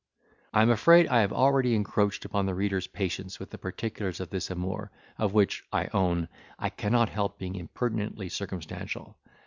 I am afraid I have already encroached upon the reader's patience with the particulars of this amour, of which (I own) I cannot help being impertinently circumstantial.